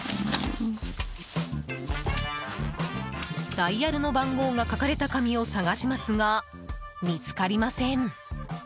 ダイヤルの番号が書かれた紙を探しますが、見つかりません。